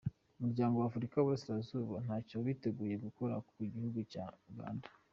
Umuryango w’Afurika y’Iburasirazuba ntacyo witeguye gukora ku gihugu cya Uganda.